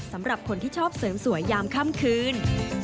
สำหรับคนที่ชอบเสริมสวยยามค่ำคืน